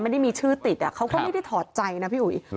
ไม่ได้มีชื่อติดเขาก็ไม่ได้ถอดใจนะพี่อุ๋ย